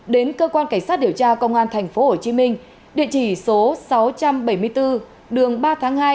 đến cơ quan cảnh sát điều tra công an tp hcm địa chỉ số sáu trăm bảy mươi bốn đường ba tháng hai